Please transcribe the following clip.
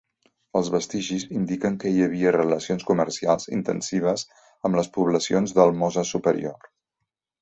Els vestigis indiquen que hi havia relacions comercials intensives amb les poblacions del Mosa superior.